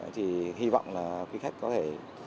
thì hy vọng là khách có thể